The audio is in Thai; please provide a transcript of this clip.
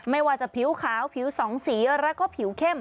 ไม่ว่าจะผิวขาวผิวสองสีแล้วก็ผิวเข้ม